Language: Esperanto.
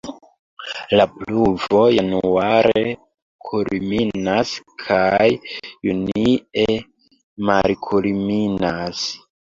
La pluvo januare kulminas kaj junie malkulminas.